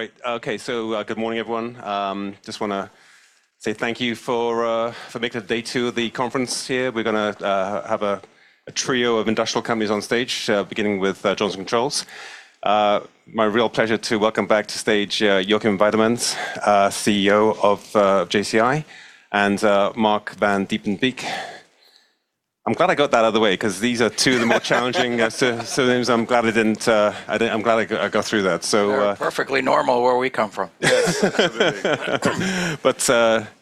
Great. Okay. Good morning, everyone. Just want to say thank you for making it to day two of the conference here. We're going to have a trio of industrial companies on stage, beginning with Johnson Controls. My real pleasure to welcome back to stage Joakim Weidemanis, CEO of JCI, Marc Vandiepenbeeck. I'm glad I got that out of the way cause these are two of the more challenging surnames. I'm glad I got through that. They're perfectly normal where we come from. Yes. Absolutely.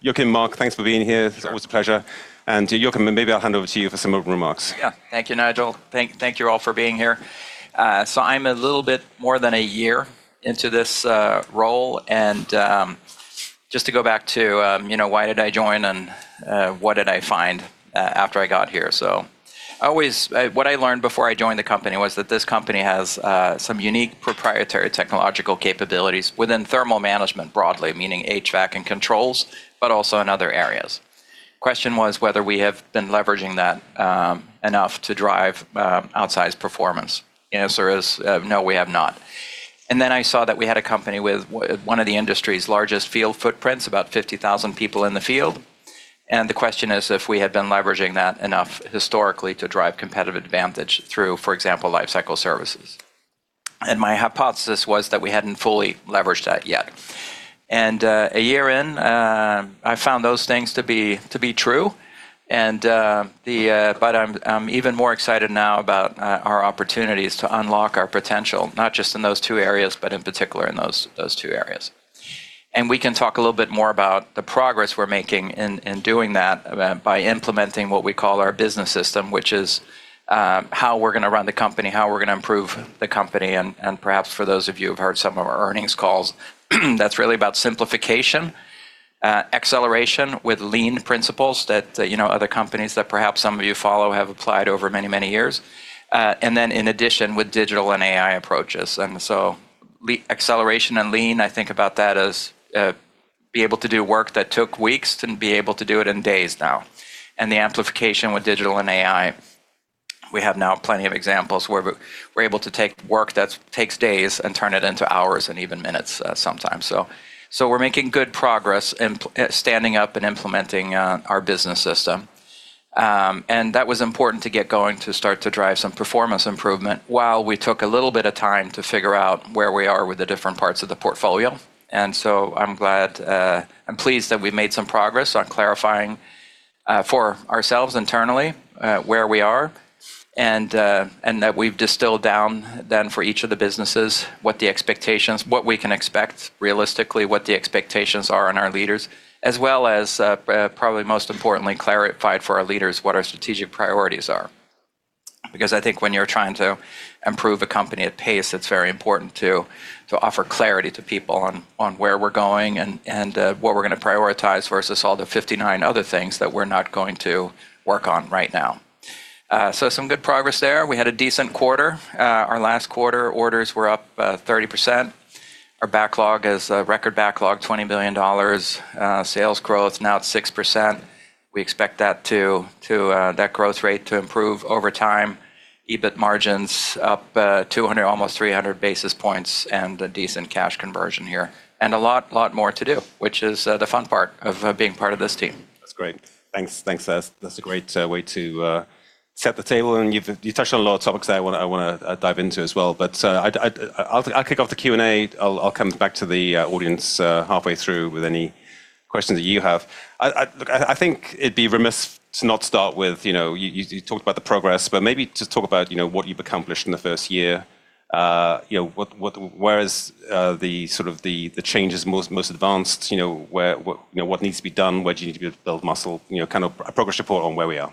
Joakim, Marc, thanks for being here. Sure. It's always a pleasure. Joakim, maybe I'll hand over to you for some opening remarks. Thank you, Nigel. Thank you all for being here. I'm a little bit more than a year into this role, and just to go back to, you know, why did I join and what did I find after I got here? What I learned before I joined the company was that this company has some unique proprietary technological capabilities within thermal management broadly, meaning HVAC and controls, but also in other areas. Question was whether we have been leveraging that enough to drive outsized performance. Answer is, no, we have not. I saw that we had a company with one of the industry's largest field footprints, about 50,000 people in the field, and the question is if we had been leveraging that enough historically to drive competitive advantage through, for example, lifecycle services. My hypothesis was that we hadn't fully leveraged that yet. A year in, I found those things to be true. I'm even more excited now about our opportunities to unlock our potential, not just in those two areas, but in particular in those two areas. We can talk a little bit more about the progress we're making in doing that by implementing what we call our business system, which is how we're going to run the company, how we're going to improve the company. Perhaps for those of you who've heard some of our earnings calls, that's really about simplification, acceleration with lean principles that, you know, other companies that perhaps some of you follow have applied over many, many years. In addition with digital and AI approaches. Acceleration and lean, I think about that as be able to do work that took weeks and be able to do it in days now. The amplification with digital and AI, we have now plenty of examples where we're able to take work that takes days and turn it into hours and even minutes sometimes. We're making good progress standing up and implementing our business system. That was important to get going to start to drive some performance improvement while we took a little bit of time to figure out where we are with the different parts of the portfolio. I'm glad, I'm pleased that we've made some progress on clarifying for ourselves internally, where we are, and that we've distilled down then for each of the businesses what the expectations, what we can expect realistically, what the expectations are in our leaders, as well as, probably most importantly, clarified for our leaders what our strategic priorities are. Because I think when you're trying to improve a company at pace, it's very important to offer clarity to people on where we're going and what we're going to prioritize versus all the 59 other things that we're not going to work on right now. Some good progress there. We had a decent quarter. Our last quarter orders were up, 30%. Our backlog is a record backlog, $20 billion. Sales growth now at 6%. We expect that growth rate to improve over time. EBIT margins up, 200, almost 300 basis points, and a decent cash conversion here. A lot more to do, which is the fun part of being part of this team. That's great. Thanks. Thanks. That's, that's a great way to set the table. You've, you touched on a lot of topics I want to dive into as well. I'd, I'll kick off the Q&A. I'll come back to the audience halfway through with any questions that you have. Look, I think it'd be remiss to not start with, you know, you talked about the progress, but maybe just talk about, you know, what you've accomplished in the first year. You know, what, where is the sort of the changes most advanced? You know, where, what, you know, what needs to be done? Where do you need to build muscle? You know, kind of a progress report on where we are.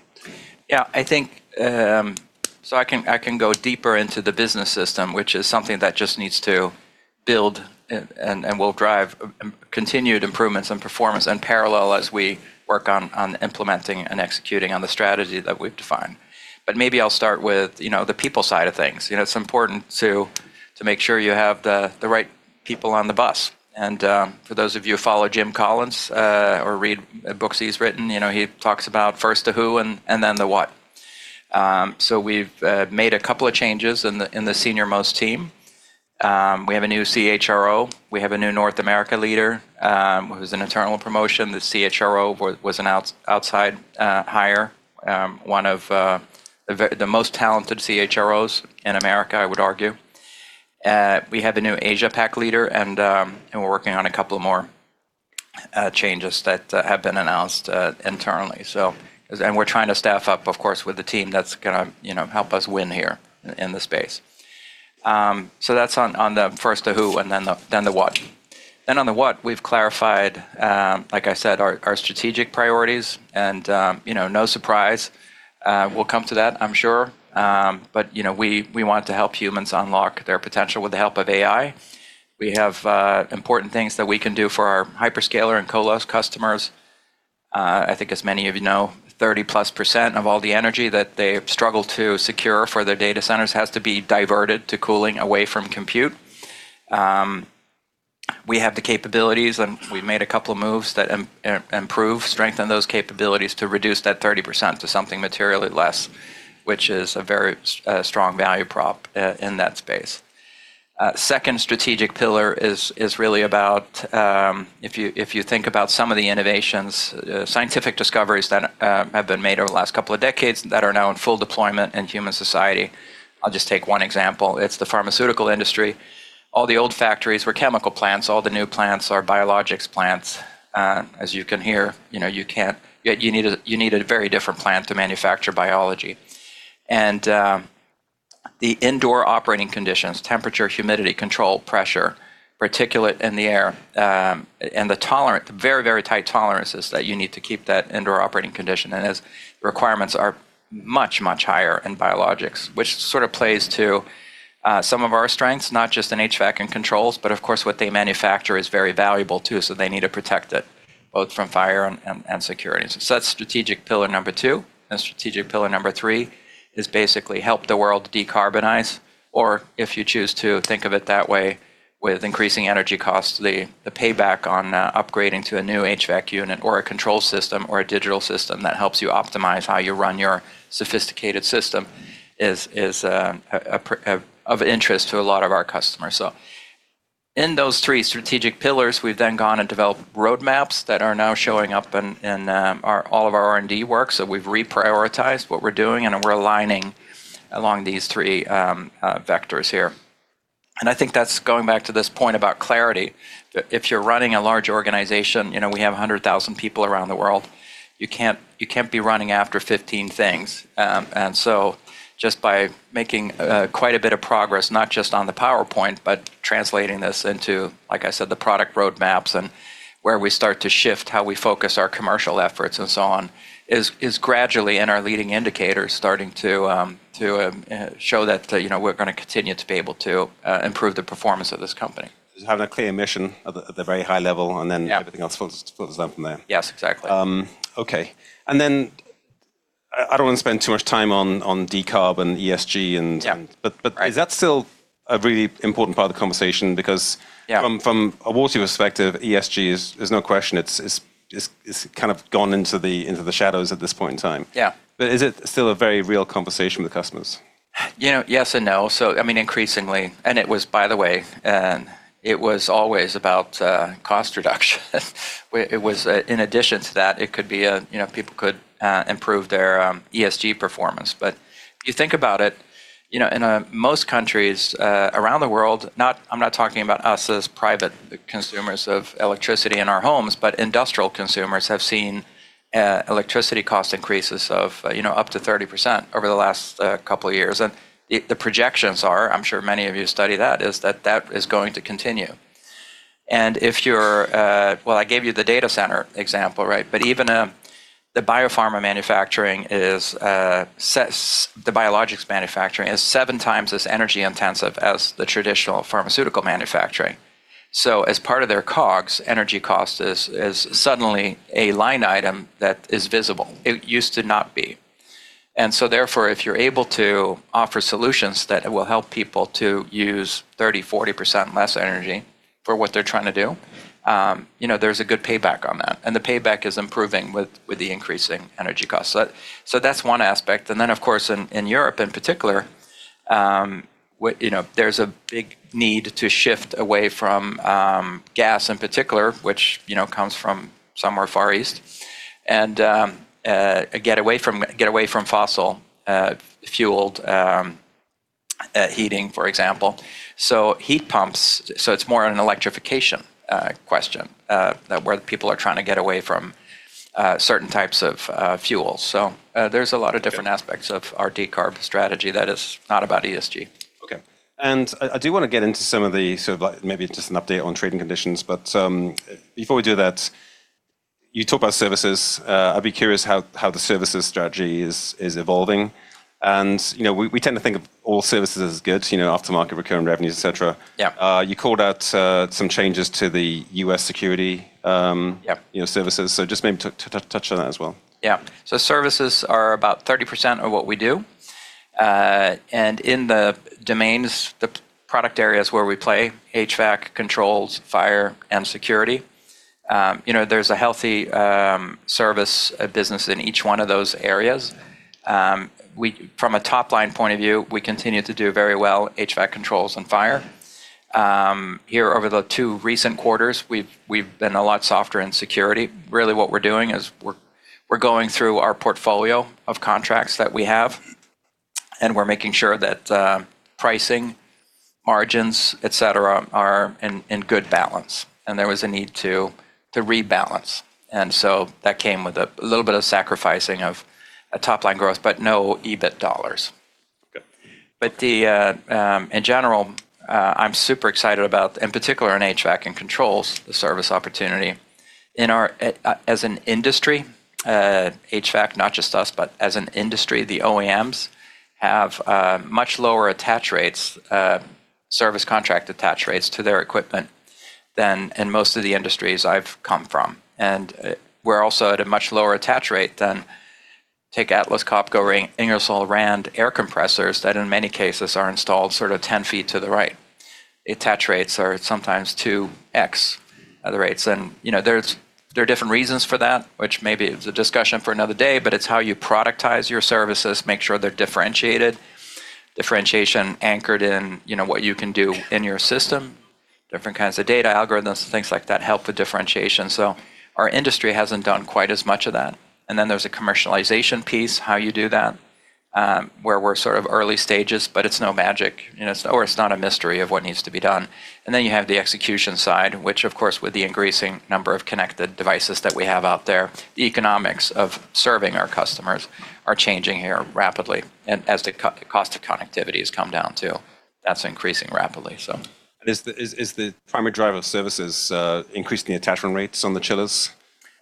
I can go deeper into the business system, which is something that just needs to build and will drive continued improvements in performance in parallel as we work on implementing and executing on the strategy that we've defined. Maybe I'll start with, you know, the people side of things. You know, it's important to make sure you have the right people on the bus. For those of you who follow Jim Collins or read books he's written, you know, he talks about first the who and then the what. We've made a couple of changes in the senior-most team. We have a new CHRO. We have a new North America leader, who's an internal promotion. The CHRO was an outside hire, one of the most talented CHROs in America, I would argue. We have a new Asia PAC leader, and we're working on a couple more changes that have been announced internally. We're trying to staff up, of course, with the team that's going to, you know, help us win here in this space. That's on the first the who and then the what. On the what, we've clarified, like I said, our strategic priorities, and, you know, no surprise, we'll come to that, I'm sure. You know, we want to help humans unlock their potential with the help of AI. We have important things that we can do for our hyperscaler and colos customers. I think as many of you know, 30% plus of all the energy that they struggle to secure for their data centers has to be diverted to cooling away from compute. We have the capabilities, and we've made a couple of moves that improve, strengthen those capabilities to reduce that 30% to something materially less, which is a very strong value prop in that space. Second strategic pillar is really about, if you, if you think about some of the innovations, scientific discoveries that have been made over the last couple of decades that are now in full deployment in human society. I'll just take one example. It's the pharmaceutical industry. All the old factories were chemical plants. All the new plants are biologics plants. As you can hear, you know, you need a, you need a very different plant to manufacture biology. The indoor operating conditions, temperature, humidity, control, pressure, particulate in the air, and the very, very tight tolerances that you need to keep that indoor operating condition and its requirements are much, much higher in biologics, which sort of plays to some of our strengths, not just in HVAC and controls, but of course, what they manufacture is very valuable too, so they need to protect it both from fire and security. That's strategic pillar number two. Strategic pillar number three is basically help the world decarbonize or if you choose to think of it that way, with increasing energy costs, the payback on upgrading to a new HVAC unit or a control system or a digital system that helps you optimize how you run your sophisticated system is of interest to a lot of our customers. In those three strategic pillars, we've then gone and developed roadmaps that are now showing up in all of our R&D work. We've reprioritized what we're doing, and we're aligning along these three vectors here. I think that's going back to this point about clarity. If you're running a large organization, you know, we have 100,000 people around the world, you can't be running after 15 things. Just by making quite a bit of progress, not just on the PowerPoint, but translating this into, like I said, the product roadmaps and where we start to shift how we focus our commercial efforts and so on, is gradually in our leading indicators starting to show that, you know, we're going to continue to be able to improve the performance of this company. Just having a clear mission at the very high level. Yeah Everything else falls down from there. Yes, exactly. Okay. I don't want to spend too much time on decarb and ESG. Yeah. Right Is that still a really important part of the conversation? Yeah From a Wolfe perspective, ESG is, there's no question, it's kind of gone into the shadows at this point in time. Yeah. Is it still a very real conversation with customers? You know, yes and no. I mean, increasingly, and it was, by the way, it was always about cost reduction. It was, in addition to that, it could be a, you know, people could improve their ESG performance. If you think about it, you know, in most countries around the world, not I'm not talking about us as private consumers of electricity in our homes, but industrial consumers have seen electricity cost increases of, you know, up to 30% over the last couple of years. The projections are, I'm sure many of you study that, is that that is going to continue. If you're, well, I gave you the data center example, right? Even the biopharma manufacturing is, the biologics manufacturing is seven times as energy intensive as the traditional pharmaceutical manufacturing. As part of their COGS, energy cost is suddenly a line item that is visible. It used to not be. Therefore, if you're able to offer solutions that will help people to use 30%, 40% less energy for what they're trying to do, you know, there's a good payback on that, and the payback is improving with the increasing energy costs. That's one aspect. Of course, in Europe in particular, you know, there's a big need to shift away from gas in particular, which, you know, comes from somewhere Far East and get away from fossil-fueled heating, for example. Heat pumps, so it's more on an electrification question that where people are trying to get away from certain types of fuels. There's a lot of different aspects of our decarb strategy that is not about ESG. Okay. I do want to get into some of the sort of like maybe just an update on trading conditions. Before we do that, you talk about services. I'd be curious how the services strategy is evolving. You know, we tend to think of all services as good, you know, aftermarket, recurring revenues, et cetera. Yeah. You called out some changes to the U.S. security. Yeah you know, services. Just maybe touch on that as well. Yeah. Services are about 30% of what we do. And in the domains, the product areas where we play, HVAC, controls, fire, and security, you know, there's a healthy service business in each one of those areas. From a top-line point of view, we continue to do very well HVAC, controls, and fire. Here over the two recent quarters, we've been a lot softer in security. Really, what we're doing is we're going through our portfolio of contracts that we have, and we're making sure that pricing, margins, et cetera, are in good balance, and there was a need to rebalance. That came with a little bit of sacrificing of top-line growth, but no EBIT dollars. Okay. In general, I'm super excited about, in particular in HVAC and controls, the service opportunity. In our as an industry, HVAC, not just us, but as an industry, the OEMs have much lower attach rates, service contract attach rates to their equipment than in most of the industries I've come from. We're also at a much lower attach rate than Atlas Copco, Ingersoll Rand air compressors that in many cases are installed sort of 10ft to the right. Attach rates are sometimes 2x of the rates. You know, there are different reasons for that, which maybe it's a discussion for another day, but it's how you productize your services, make sure they're differentiated. Differentiation anchored in, you know, what you can do in your system. Different kinds of data algorithms and things like that help the differentiation. Our industry hasn't done quite as much of that, and then there's a commercialization piece, how you do that, where we're sort of early stages, but it's no magic. You know, it's not a mystery of what needs to be done. You have the execution side, which of course with the increasing number of connected devices that we have out there, the economics of serving our customers are changing here rapidly. The cost of connectivity has come down too, that's increasing rapidly. Is the primary driver of services, increasing the attachment rates on the chillers?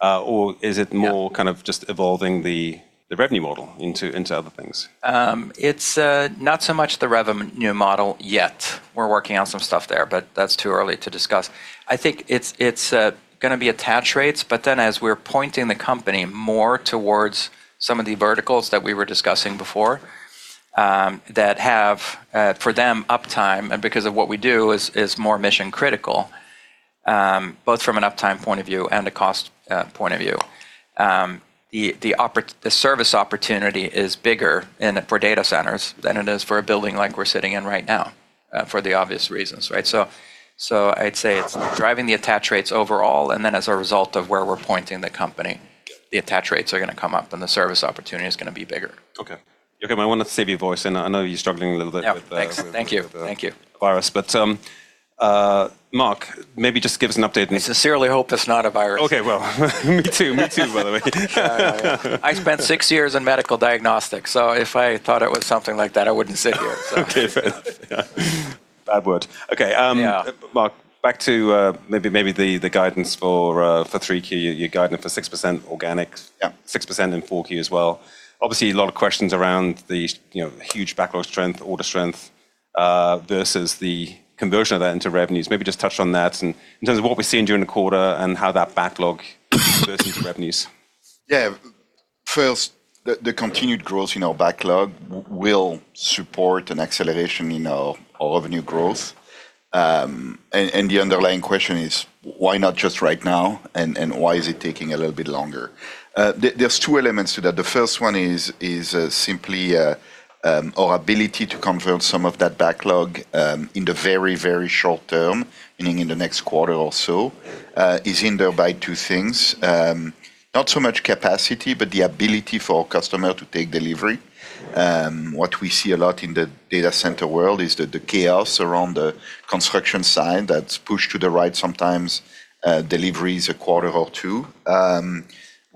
Yeah Kind of just evolving the revenue model into other things? It's not so much the revenue model yet. We're working on some stuff there, but that's too early to discuss. I think it's, going to be attach rates, but then as we're pointing the company more towards some of the verticals that we were discussing before, that have for them uptime and because of what we do is more mission-critical, both from an uptime point of view and a cost point of view. The service opportunity is bigger in a, for data centers than it is for a building like we're sitting in right now, for the obvious reasons, right? I'd say it's driving the attach rates overall, and then as a result of where we're pointing the company, the attach rates are going to come up, and the service opportunity is going to be bigger. Okay, I want to save your voice and I know you're struggling a little bit. Yeah. Thanks. Thank you. Thank you Virus. Marc, maybe just give us an update. I sincerely hope that's not a virus. Okay. Well, me too. Me too, by the way. I spent six years in medical diagnostics, so if I thought it was something like that, I wouldn't sit here. Okay, fair enough. Yeah. Bad word. Okay. Yeah Marc, back to maybe the guidance for Q3. You're guiding for 6% organic. Yeah. 6% in Q4 as well. Obviously, a lot of questions around you know, huge backlog strength, order strength, versus the conversion of that into revenues. Maybe just touch on that and in terms of what we're seeing during the quarter and how that backlog converts into revenues. Yeah. First, the continued growth in our backlog will support an acceleration in our revenue growth. The underlying question is why not just right now and why is it taking a little bit longer? There's two elements to that. The first one is simply our ability to convert some of that backlog in the very short term, meaning in the next quarter or so, is hindered by two things. Not so much capacity, but the ability for customer to take delivery. What we see a lot in the data center world is the chaos around the construction side that's pushed to the right sometimes deliveries a quarter or two.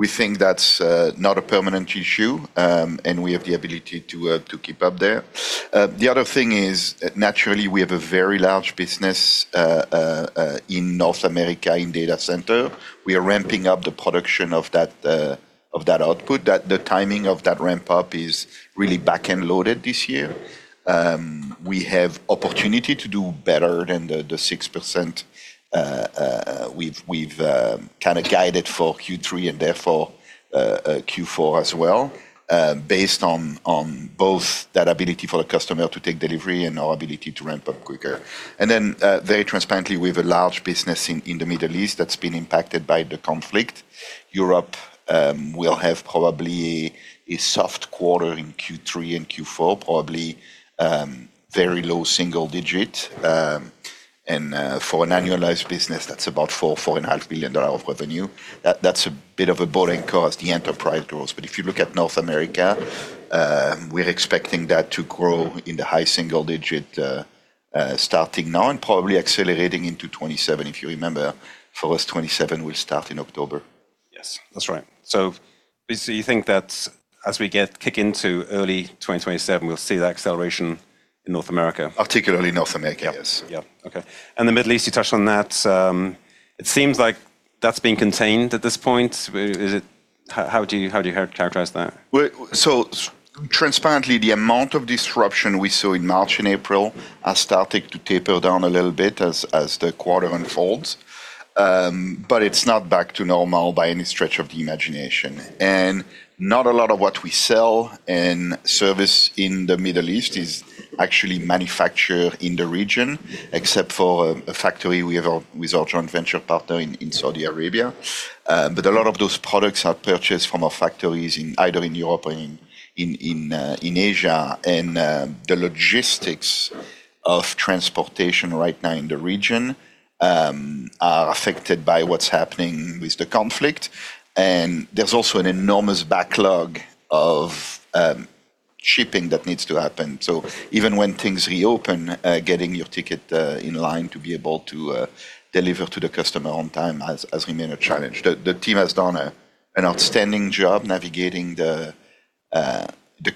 We think that's not a permanent issue, and we have the ability to keep up there. The other thing is, naturally, we have a very large business in North America in data center. We are ramping up the production of that output. The timing of that ramp-up is really back-end loaded this year. We have opportunity to do better than the 6% we've kind of guided for Q3 and therefore Q4 as well, based on both that ability for the customer to take delivery and our ability to ramp up quicker. Very transparently, we have a large business in the Middle East that's been impacted by the conflict. Europe will have probably a soft quarter in Q3 and Q4, probably very low single-digit. For an annualized business, that's about $4.5 billion of revenue. That's a bit of a [boarding] cost, the enterprise growth. If you look at North America, we're expecting that to grow in the high single-digit, starting now and probably accelerating into 2027. If you remember, for us, 2027 will start in October. Yes, that's right. Basically, you think that as we kick into early 2027, we'll see that acceleration in North America. Particularly North America, yes. Yeah. Yeah. Okay. The Middle East, you touched on that. It seems like that's been contained at this point. How do you characterize that? Transparently, the amount of disruption we saw in March and April are starting to taper down a little bit as the quarter unfolds. But it's not back to normal by any stretch of the imagination. Not a lot of what we sell and service in the Middle East is actually manufactured in the region, except for a factory we have our, with our joint venture partner in Saudi Arabia. But a lot of those products are purchased from our factories in either in Europe or in Asia. The logistics of transportation right now in the region are affected by what's happening with the conflict. There's also an enormous backlog of shipping that needs to happen. Even when things reopen, getting your ticket in line to be able to deliver to the customer on time has remained a challenge. The team has done an outstanding job navigating the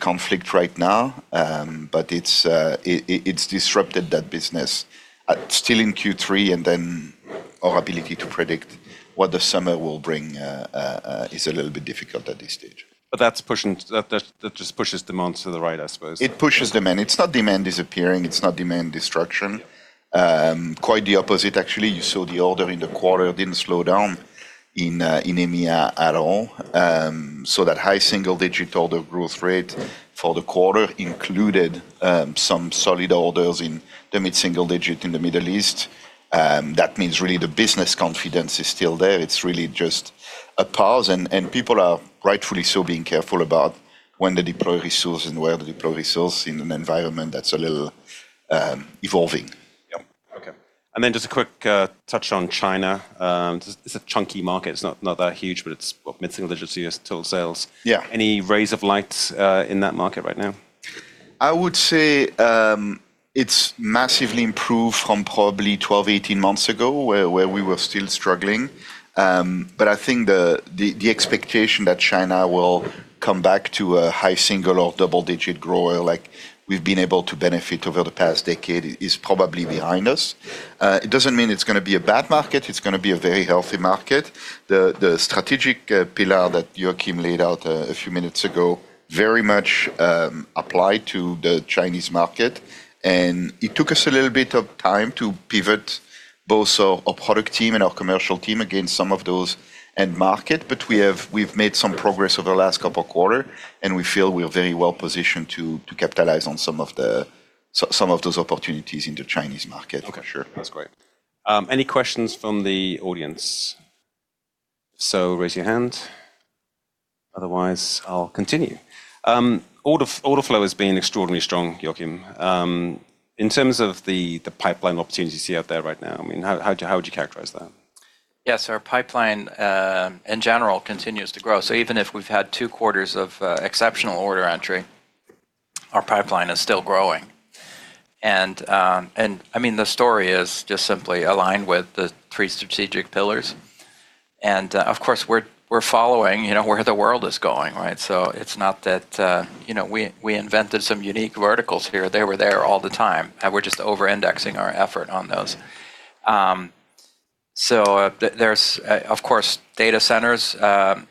conflict right now. It's disrupted that business still in Q3, and our ability to predict what the summer will bring is a little bit difficult at this stage. That just pushes demands to the right, I suppose. It pushes demand. It's not demand disappearing. It's not demand destruction. Quite the opposite, actually. You saw the order in the quarter didn't slow down in EMEA at all. That high single-digit order growth rate for the quarter included some solid orders in the mid single digit in the Middle East. That means really the business confidence is still there. It's really just a pause, and people are rightfully so being careful about when to deploy resource and where to deploy resource in an environment that's a little evolving. Yep. Okay. Just a quick touch on China. It's a chunky market. It's not that huge, but it's mid-single digits total sales. Yeah. Any rays of light, in that market right now? I would say, it's massively improved from probably 12, 18 months ago where we were still struggling. I think the, the expectation that China will come back to a high single or double-digit growth like we've been able to benefit over the past decade is probably behind us. It doesn't mean it's going to be a bad market. It's going to be a very healthy market. The strategic, pillar that Joakim laid out a few minutes ago very much, applied to the Chinese market, and it took us a little bit of time to pivot both our product team and our commercial team against some of those end market. We've made some progress over the last couple quarter, and we feel we're very well positioned to capitalize on some of those opportunities in the Chinese market. Okay. Sure. That's great. Any questions from the audience? Raise your hand. Otherwise, I'll continue. Order flow has been extraordinarily strong, Joakim. In terms of the pipeline opportunities, you have there right now, I mean, how would you characterize that? Yes, our pipeline, in general continues to grow. Even if we've had two quarters of exceptional order entry, our pipeline is still growing. I mean, the story is just simply aligned with the three strategic pillars. Of course, we're following, you know, where the world is going, right? It's not that, you know, we invented some unique verticals here. They were there all the time, and we're just over-indexing our effort on those. Of course, data centers and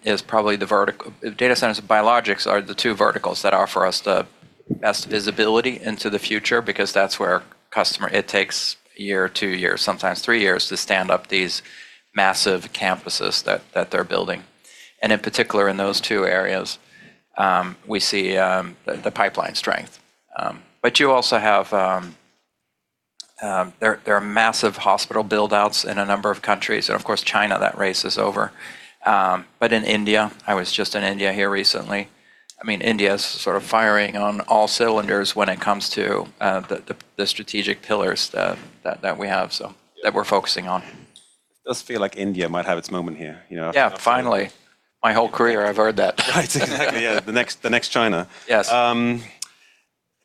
biologics are the two verticals that offer us the best visibility into the future because it takes one year or two years, sometimes three years to stand up these massive campuses that they're building. In particular, in those two areas, we see the pipeline strength. You also have, there are massive hospital build-outs in a number of countries. Of course, China, that race is over. In India, I was just in India here recently. I mean, India is sort of firing on all cylinders when it comes to the strategic pillars that we have. Yeah that we're focusing on. It does feel like India might have its moment here, you know? Yeah. Finally. My whole career, I've heard that. Right. Exactly. Yeah. The next China. Yes.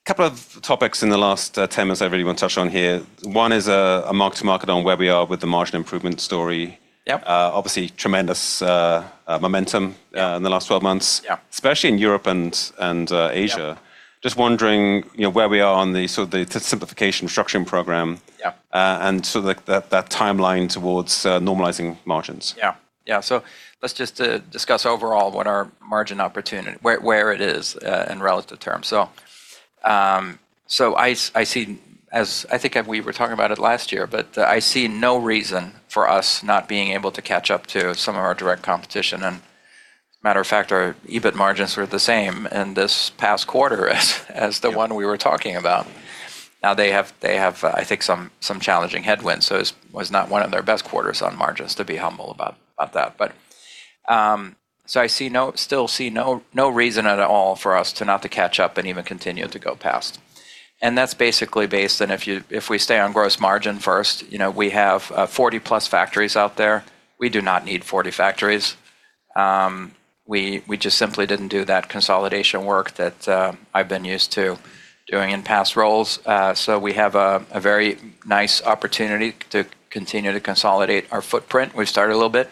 Couple of topics in the last 10 minutes I really want to touch on here. One is a mark to market on where we are with the margin improvement story. Yep. Obviously tremendous momentum in the last 12 months. Yeah. Especially in Europe and Asia. Yeah. Just wondering, you know, where we are on the sort of the simplification structuring program? Yeah sort of like that timeline towards, normalizing margins. Yeah. Yeah. Let's just discuss overall what our margin opportunity where it is in relative terms. I see as I think we were talking about it last year, but I see no reason for us not being able to catch up to some of our direct competition. Matter of fact, our EBIT margins were the same in this past quarter as the one we were talking about. Now they have I think some challenging headwinds, so it was not one of their best quarters on margins, to be humble about that. I still see no reason at all for us to not to catch up and even continue to go past. That's basically based on if we stay on gross margin first, you know, we have 40-plus factories out there. We do not need 40 factories. We, we just simply didn't do that consolidation work that I've been used to doing in past roles. We have a very nice opportunity to continue to consolidate our footprint. We've started a little bit.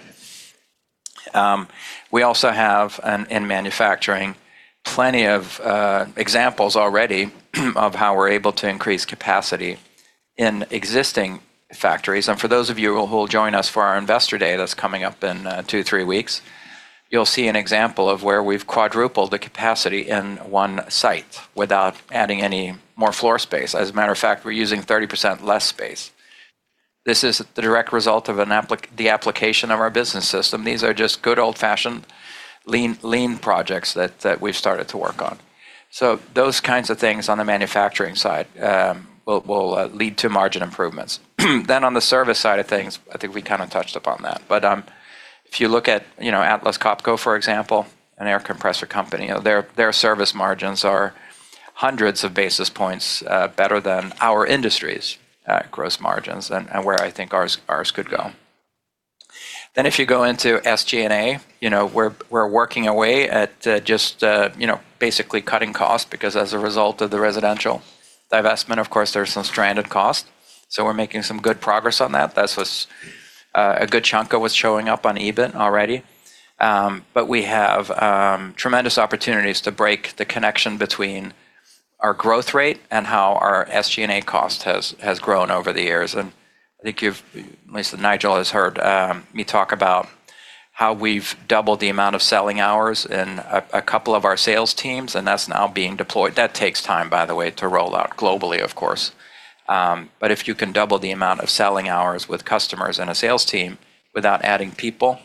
We also have in manufacturing plenty of examples already of how we're able to increase capacity in existing factories. For those of you who will join us for our investor day that's coming up in two to three weeks, you'll see an example of where we've quadrupled the capacity in one site without adding any more floor space. As a matter of fact, we're using 30% less space. This is the direct result of the application of our business system. These are just good old-fashioned lean projects that we've started to work on. Those kinds of things on the manufacturing side will lead to margin improvements. On the service side of things, I think we kind of touched upon that. If you look at, you know, Atlas Copco, for example, an air compressor company, you know, their service margins are hundreds of basis points better than our industry's gross margins and where I think ours could go. If you go into SG&A, you know, we're working away at just, you know, basically cutting costs because as a result of the residential divestment, of course, there's some stranded costs. We're making some good progress on that. That was a good chunk of what's showing up on EBIT already. We have tremendous opportunities to break the connection between our growth rate and how our SG&A cost has grown over the years. I think Nigel has heard me talk about how we've doubled the amount of selling hours in a couple of our sales teams, and that's now being deployed. That takes time, by the way, to roll out globally, of course. If you can double the amount of selling hours with customers and a sales team without adding people.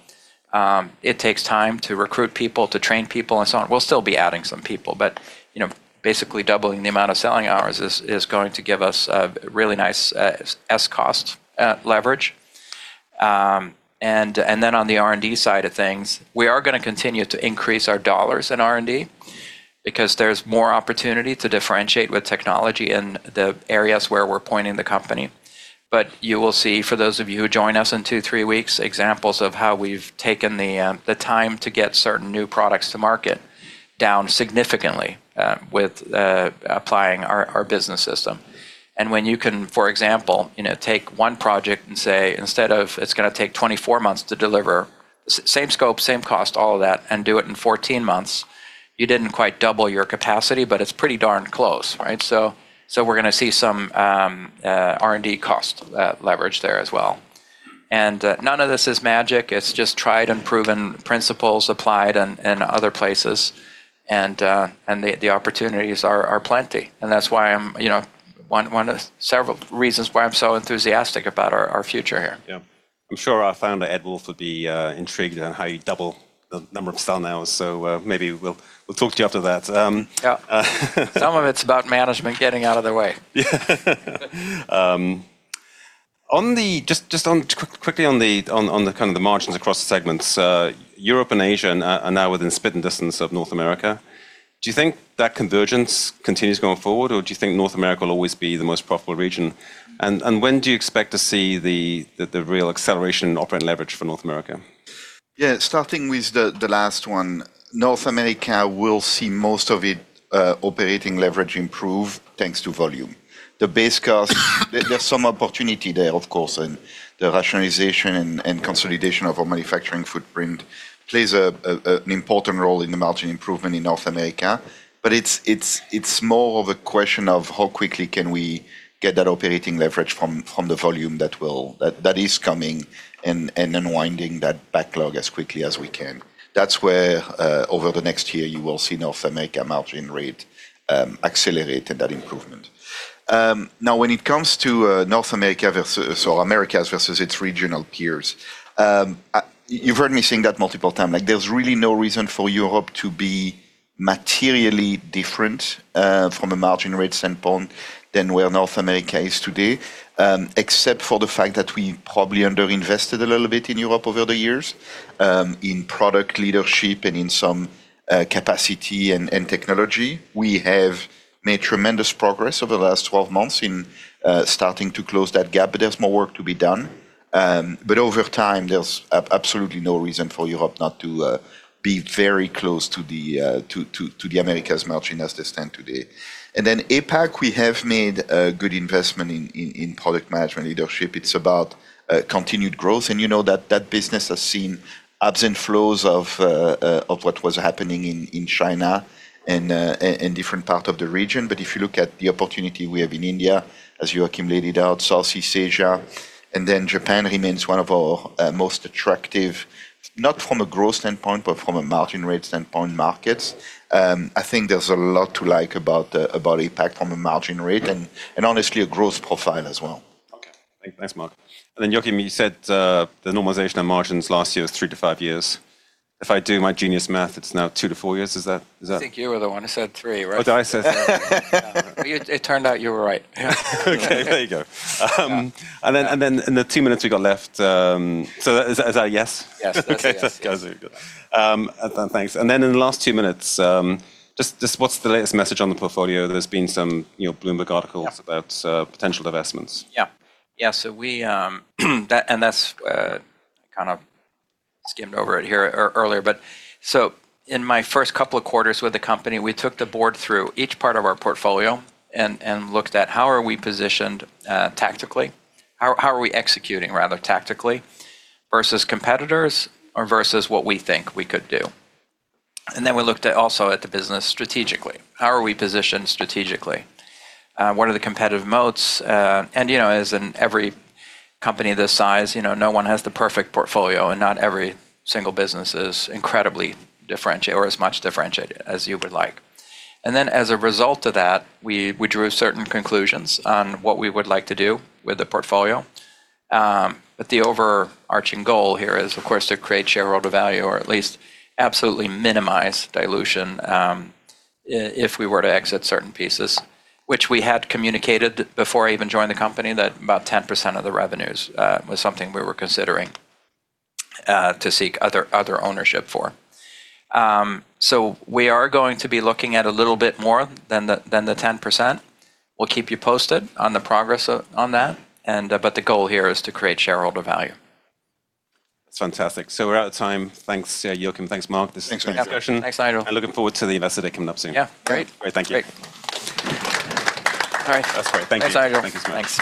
It takes time to recruit people, to train people and so on. We'll still be adding some people, you know, basically doubling the amount of selling hours is going to give us a really nice cost leverage. Then on the R&D side of things, we are gonna continue to increase our dollars in R&D because there's more opportunity to differentiate with technology in the areas where we're pointing the company. You will see, for those of you who join us in two, three weeks, examples of how we've taken the time to get certain new products to market down significantly with applying our business system. When you can, for example, you know, take one project and say instead of it's gonna take 24 months to deliver same scope, same cost, all of that, and do it in 14 months, you didn't quite double your capacity, but it's pretty darn close, right? We're gonna see some R&D cost leverage there as well. None of this is magic, it's just tried and proven principles applied in other places and the opportunities are plenty. That's why I'm, you know, one of several reasons why I'm so enthusiastic about our future here. Yeah. I'm sure our founder, Ed Wolfe, would be intrigued on how you double the number of selling hours. Maybe we'll talk to you after that. Yeah. Some of it's about management getting out of the way. just on quickly on the, on the kind of the margins across segments. Europe and Asia are now within spitting distance of North America. Do you think that convergence continues going forward, or do you think North America will always be the most profitable region? When do you expect to see the real acceleration in operating leverage for North America? Yeah. Starting with the last one. North America will see most of it, operating leverage improve, thanks to volume. There's some opportunity there, of course, and the rationalization and consolidation of our manufacturing footprint plays an important role in the margin improvement in North America. It's more of a question of how quickly can we get that operating leverage from the volume that is coming and unwinding that backlog as quickly as we can. That's where, over the next year, you will see North America margin rate, accelerate in that improvement. Now when it comes to, North America or Americas versus its regional peers, you've heard me saying that multiple times. Like, there's really no reason for Europe to be materially different from a margin rate standpoint than where North America is today. Except for the fact that we probably underinvested a little bit in Europe over the years in product leadership and in some capacity and technology. We have made tremendous progress over the last 12 months in starting to close that gap, but there's more work to be done. But over time, there's absolutely no reason for Europe not to be very close to the Americas margin as they stand today. APAC, we have made a good investment in product management leadership. It's about continued growth. You know that that business has seen ebbs and flows of what was happening in China and in different parts of the region. If you look at the opportunity we have in India, as Joakim laid it out, Southeast Asia, and then Japan remains one of our most attractive, not from a growth standpoint, but from a margin rate standpoint, markets. I think there's a lot to like about APAC from a margin rate and honestly a growth profile as well. Okay. Thanks, Marc. Joakim, you said, the normalization of margins last year was three to five years. If I do my genius math, it's now two to four years. Is that? I think you were the one who said three, right? Oh, did I say three? Yeah. It turned out you were right. Yeah. Okay. There you go. Yeah. In the two minutes we got left, is that a yes? Yes. Okay, that's good. Thanks. In the last two minutes, what's the latest message on the portfolio? There's been some, you know, Bloomberg articles- Yeah -about potential divestments. Yeah. Yeah. We, and that's I kind of skimmed over it here. In my first couple of quarters with the company, we took the board through each part of our portfolio and looked at how are we positioned tactically, how are we executing rather tactically versus competitors or versus what we think we could do. We looked also at the business strategically, how are we positioned strategically? What are the competitive moats? And you know, as in every company this size, you know, no one has the perfect portfolio, and not every single business is incredibly differentiated or as much differentiated as you would like. As a result of that, we drew certain conclusions on what we would like to do with the portfolio. The overarching goal here is, of course, to create shareholder value or at least absolutely minimize dilution, if we were to exit certain pieces. Which we had communicated before I even joined the company that about 10% of the revenues was something we were considering to seek other ownership for. We are going to be looking at a little bit more than the 10%. We'll keep you posted on the progress on that, and the goal here is to create shareholder value. That's fantastic. We're out of time. Thanks, Joakim. Thanks, Marc. Thanks. Thanks, Nigel. I'm looking forward to the Investor Day coming up soon. Yeah. Great. Great. Thank you. Great. All right. That's great. Thank you. Thanks, Nigel. Thank you so much. Thanks.